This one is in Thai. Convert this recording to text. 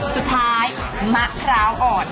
สุดท้ายมะพร้าวอ่อน